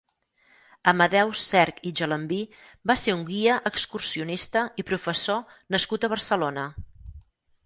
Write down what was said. Amadeu Serch i Gelambí va ser un guia excursionista i professor nascut a Barcelona.